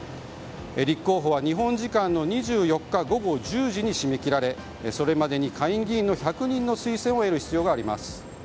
立候補は日本時間の２４日午後１０時に締め切られそれまでに下院議員の１００人の推薦を得る必要があります。